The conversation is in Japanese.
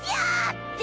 って